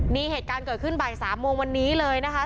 นี่เหตุการณ์เกิดขึ้นบ่าย๓โมงวันนี้เลยนะคะ